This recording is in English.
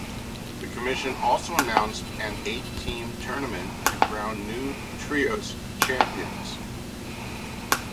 The Commission also announced an eight team tournament to crown new trios champions.